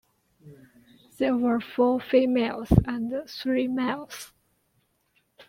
There were four females and three males.